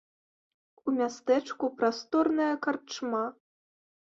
У мястэчку прасторная карчма.